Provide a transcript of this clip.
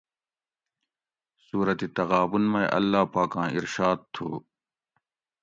سورة تغابن مئ اللّٰہ پاکاں اِرشاد تھُو